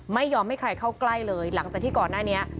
ไม่ยอมให้ใครเข้าใกล้เลยหลังจากที่ก่อนหน้านี้